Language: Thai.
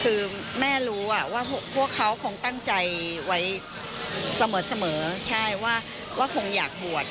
คือแม่รู้ว่าพวกเขาคงตั้งใจไว้เสมอใช่ว่าคงอยากบวช